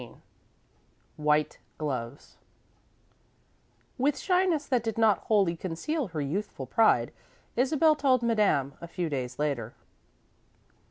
XIII WHITE GLOVES With shyness that did not wholly conceal her youthful pride, Isabel told Madame, a few days later.